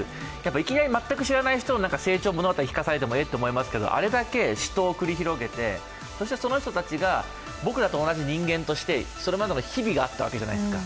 いきなり全く知らない人の成長物語を聞かされてもえっとなりますけど、あれだけ死闘を繰り広げてその人たちが僕らと同じ人間としてそれまでの日々があったわけじゃないですか。